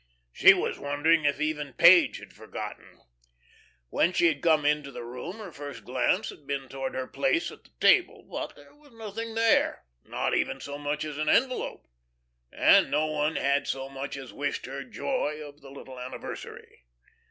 She was wondering if even Page had forgotten. When she had come into the room, her first glance had been towards her place at table. But there was nothing there, not even so much as an envelope; and no one had so much as wished her joy of the little anniversary.